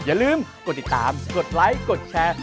อย่าลืมกดติดตามกดไลค์กดแชร์